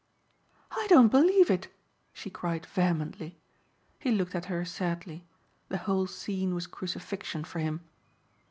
"I don't believe it," she cried vehemently. He looked at her sadly. The whole scene was crucifixion for him.